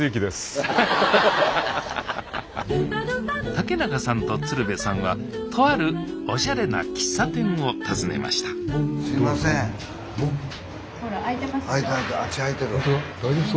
竹中さんと鶴瓶さんはとあるおしゃれな喫茶店を訪ねましたほら空いてますでしょ？